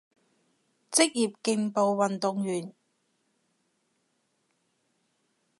職業競步運動員